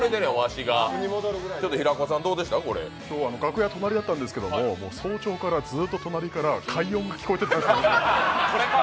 楽屋隣だったんですけれども早朝からずっと隣から怪音が聞こえてたんです。